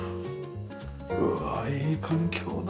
うわあいい環境だ